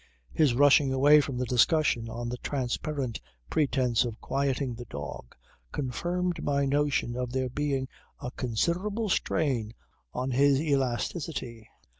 His rushing away from the discussion on the transparent pretence of quieting the dog confirmed my notion of there being a considerable strain on his elasticity.